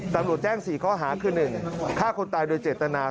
ตำรวจแจ้ง๔ข้อหาคือ๑ฆ่าคนตายโดยเจตนา